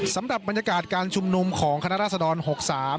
สำหรับบรรยากาศการชุมนุมของคณะรัฐรัศตรรย์๖๓